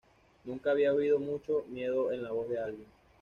Nunca había oído mucho miedo en la voz de alguien.